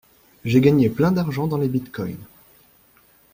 J'ai gagné plein d'argent dans les bitcoin.